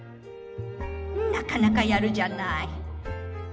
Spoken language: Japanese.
「なかなかやるじゃない」。